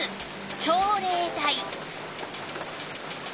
朝礼台。